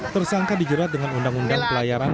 tersangka dijerat dengan undang undang pelayaran